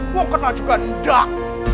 wong kena juga tidak